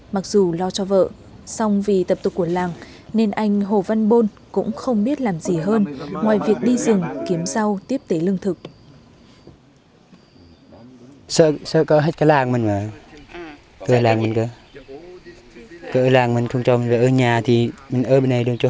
mặc dù lo cho vợ xong vì tập tục của làng nên anh hồ văn bôn cũng không biết làm gì hơn ngoài việc đi rừng kiếm rau tiếp tế lương thực